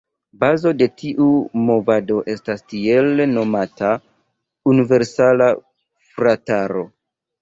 Bazo de tiu movado estas tiel nomata „Universala Frataro“.